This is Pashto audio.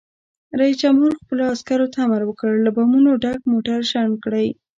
رئیس جمهور خپلو عسکرو ته امر وکړ؛ له بمونو ډک موټر شنډ کړئ!